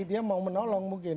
dia mau menolong mungkin